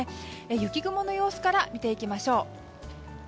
雪雲の様子から見ていきましょう。